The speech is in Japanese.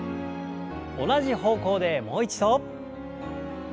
同じ方向でもう一度。